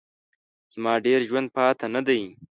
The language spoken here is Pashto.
زما ډېر ژوند پاته نه دی.